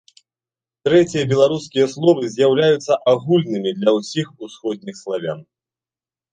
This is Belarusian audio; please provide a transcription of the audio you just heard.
Трэція беларускія словы з'яўляюцца агульнымі для ўсіх усходніх славян.